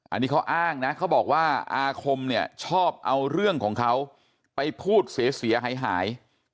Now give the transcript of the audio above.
อันนี้เขาอ้างนะเขาบอกว่าอาคมเนี่ยชอบเอาเรื่องของเขาไปพูดเสียหาย